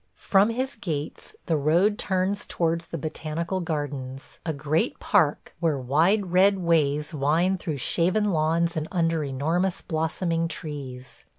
From his gates the road turns towards the botanical gardens, a great park where wide red ways wind through shaven lawns and under enormous blossoming trees.